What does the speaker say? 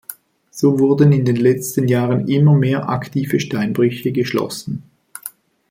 So wurden in den letzten Jahren immer mehr aktive Steinbrüche geschlossen.